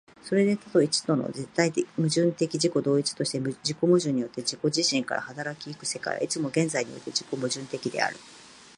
それで多と一との絶対矛盾的自己同一として、自己矛盾によって自己自身から動き行く世界は、いつも現在において自己矛盾的である。